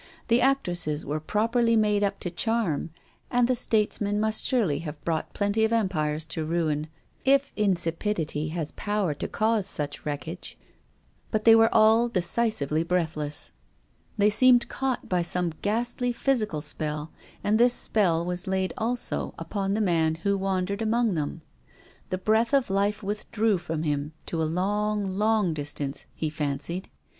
The actresses were properly made up to charm, and the statesmen must surely have brought plenty of empires to ruin, if insipidity has power to cause such wreckage. But they were all deci sively breathless. They seemed caught by some ghastly physical spell. And this spell was laid also upon the man who wandered among them. The breath of life withdrew from him to a long, long distance — he fancied.